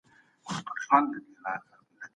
موزیمونو ته خلګ د لیدو لپاره تلل.